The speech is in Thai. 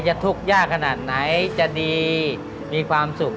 ทุกข์ยากขนาดไหนจะดีมีความสุข